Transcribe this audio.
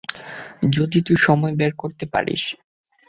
যদি তুই সময় বের করতে পারিস।